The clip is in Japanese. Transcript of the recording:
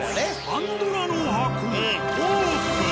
パンドラの箱オープン！